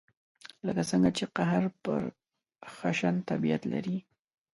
لکه څنګه چې قهر پر خشن طبعیت لري.